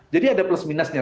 jadi ada plus minusnya